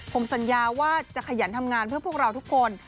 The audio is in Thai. ผมสัญญาว่าจะขยันทำงานเพื่อพวกเราทุกคน